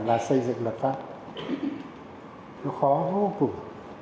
là xây dựng luật pháp nó khó vô cùng